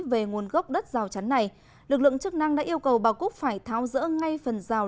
về nguồn gốc đất rào chắn này lực lượng chức năng đã yêu cầu bà cúc phải tháo rỡ ngay phần rào